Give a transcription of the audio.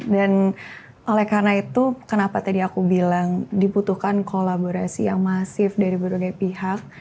dan oleh karena itu kenapa tadi aku bilang diputuhkan kolaborasi yang masif dari berbagai pihak